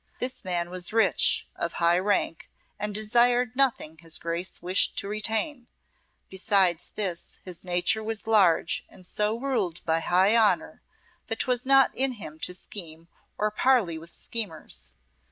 This man was rich, of high rank, and desired nothing his Grace wished to retain; besides this, his nature was large and so ruled by high honour that 'twas not in him to scheme or parley with schemers.